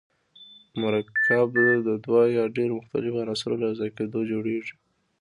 مرکب د دوه یا ډیرو مختلفو عناصرو له یوځای کیدو جوړیږي.